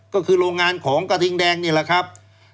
ก็คือโรงงานของกระทิงแดงนี่แหละครับ